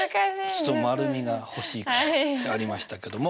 ちょっと丸みが欲しいかなってありましたけども。